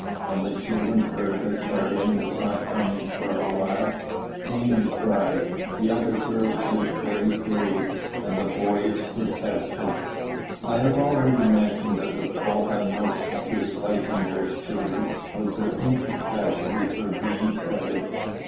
When the children heard that Marion was not coming for a while, Amy cried, the other girls looked very grave, and the boys protested. I have already mentioned that the fault I most disliked in those children was their incapacity for being petted.